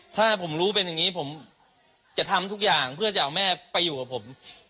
ถ้าผมรู้เป็นอย่างนี้ผมจะทำทุกอย่างเพื่อจะเอาแม่ไปอยู่กับผม